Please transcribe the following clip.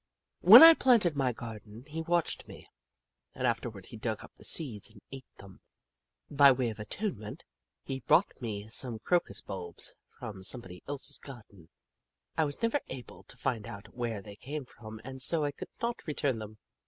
When I planted my garden, he watched me, and afterward he dug up the seeds and ate them. By way of atonement, he brought me some crocus bulbs from somebody's else gar den. I was never able to find out where they came from and so I could not return them.